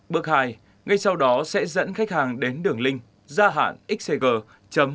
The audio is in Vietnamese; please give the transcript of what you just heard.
bước hai ngay sau đó sẽ dẫn khách hàng đến đường link gia hạn xcg vr org vn